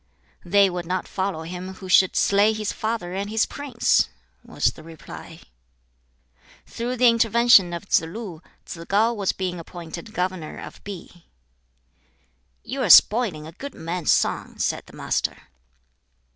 "They would not follow him who should slay his father and his prince!" was the reply. Through the intervention of Tsz lu, Tsz kau was being appointed governor of Pi. "You are spoiling a good man's son," said the Master.